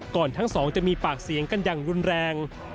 ทั้งสองจะมีปากเสียงกันอย่างรุนแรง